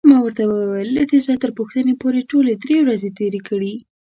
ما ورته وویل: له دې ځایه تر پوښتنې پورې ټولې درې ورځې تېرې کړې.